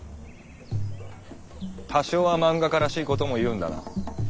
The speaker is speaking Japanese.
多少は漫画家らしいことも言うんだな。